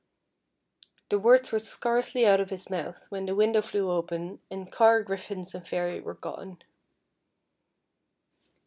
The words were scarcely out of his mouth when the window flew open, and car, griffins, and Fairy were gone.